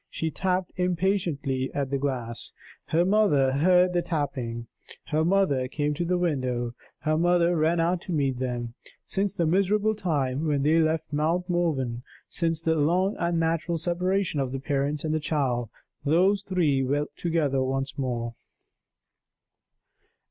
She tapped impatiently at the glass. Her mother heard the tapping; her mother came to the window; her mother ran out to meet them. Since the miserable time when they left Mount Morven, since the long unnatural separation of the parents and the child, those three were together once more!